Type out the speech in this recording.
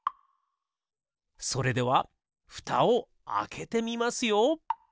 それではふたをあけてみますよ。